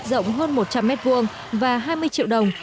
rộng hơn một trăm linh m hai và hai mươi triệu đồng